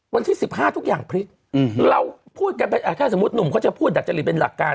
วันที่สิบห้าทุกอย่างพริกเราพูดกันถ้าสมมุติหนุ่มเขาจะพูดดัดจริดเป็นหลักการหน่อย